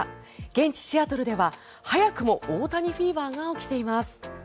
現地シアトルでは早くも大谷フィーバーが起きています。